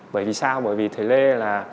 bởi vì sao bởi vì thời lê là